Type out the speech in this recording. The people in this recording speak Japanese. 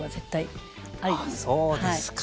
あそうですか。